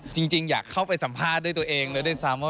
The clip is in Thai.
จริงอยากเข้าไปสัมภาษณ์ด้วยตัวเองเลยด้วยซ้ำว่า